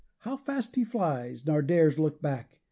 How fast he flies, nor dares look back!